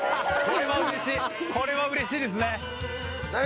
これは嬉しいですね